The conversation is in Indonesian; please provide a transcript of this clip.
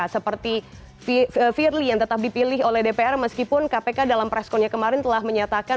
seperti firly yang tetap dipilih oleh dpr meskipun kpk dalam preskonnya kemarin telah menyatakan